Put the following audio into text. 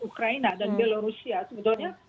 ukraina dan belarusia sebetulnya